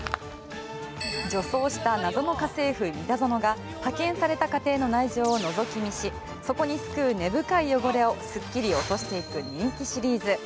女装した謎の家政夫・三田園が派遣された家庭の内情をのぞき見しそこに巣食う根深い汚れをすっきり落としていく人気シリーズ。